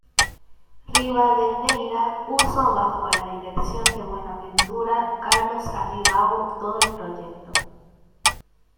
Ribadeneyra puso bajo la dirección de Buenaventura Carlos Aribau todo el proyecto.